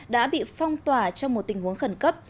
đã bị phong tỏa trong một tình huống khẩn cấp